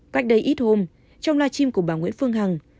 cách đây ít hôm trong li chim của bà nguyễn phương hằng